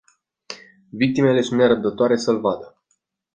Victimele sunt nerăbdătoare să îl vadă.